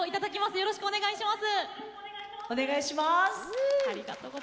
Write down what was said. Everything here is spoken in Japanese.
よろしくお願いします。